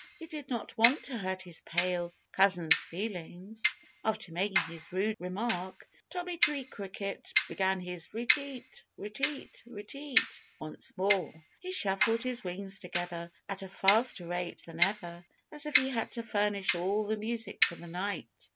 He did not want to hurt his pale cousin's feelings. After making his rude remark Tommy Tree Cricket began his re teat! re teat! re teat! once more. He shuffled his wings together at a faster rate than ever, as if he had to furnish all the music for the night.